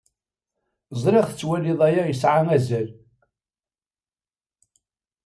Ẓriɣ tettwaliḍ aya yesɛa azal.